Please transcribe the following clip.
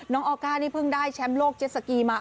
ออก้านี่เพิ่งได้แชมป์โลกเจ็ดสกีมา